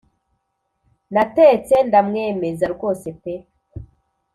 Natetse ndamwemeza rwose pe